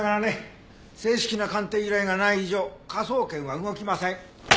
正式な鑑定依頼がない以上科捜研は動きません！